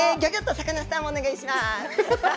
魚スターもお願いします。